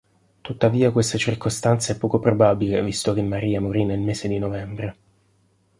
Tuttavia, questa circostanza è poco probabile visto che Maria morì nel mese di novembre.